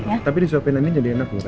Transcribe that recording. eh tapi disuapin aja jadi enak